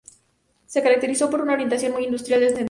Se caracterizó por una orientación muy industrial del centro.